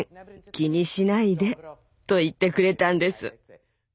気にしないで」と言ってくれたんです。